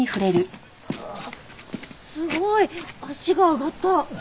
すごい！脚が上がった。